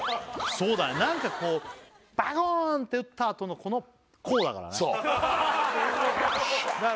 そうだねなんかこうバコーン！って打ったあとのこのこうだからね